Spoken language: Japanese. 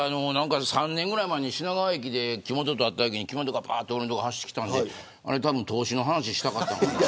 ３年ぐらい前に品川駅で木本と会ったときにぱーっと俺の所に走ってきたんであれたぶん投資の話したかったのかな。